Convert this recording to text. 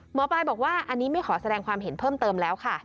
หมอปลายบอกว่าอันนี้ไม่ขอแสดงความเห็นเพิ่มเติมแล้วค่ะ